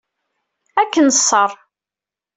Ad k-neṣṣer.